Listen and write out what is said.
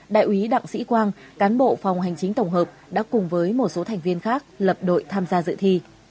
đại úy đặng sĩ quang cán bộ phòng hành chính tổng hợp đã cùng với một số thành viên khác lập đội tham gia dự thi